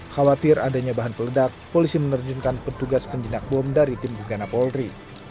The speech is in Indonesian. khawatir adanya bahan peledak polisi menerjunkan petugas penjinak bom dari tim gegana polri